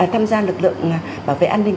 tham gia lực lượng bảo vệ an ninh